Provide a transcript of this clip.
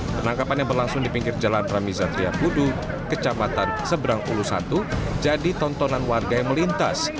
penangkapan yang berlangsung di pinggir jalan ramiza triakudu kecamatan seberang ulu satu jadi tontonan warga yang melintas